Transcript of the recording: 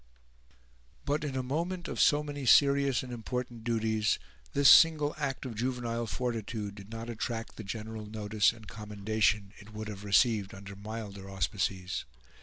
But, in a moment of so many serious and important duties, this single act of juvenile fortitude did not attract the general notice and commendation it would have received under milder auspices.